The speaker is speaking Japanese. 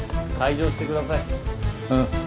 うん。